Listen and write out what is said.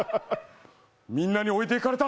みんなに置いていかれた。